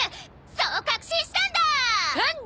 そう確信したんだ！